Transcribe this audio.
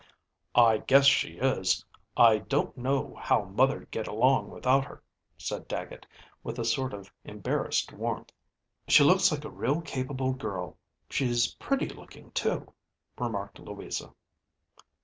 "I guess she is; I don't know how mother'd get along without her," said Dagget, with a sort of embarrassed warmth. ďShe looks like a real capable girl. She's pretty looking too," remarked Louisa.